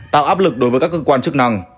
tạo áp lực đối với các cơ quan chức năng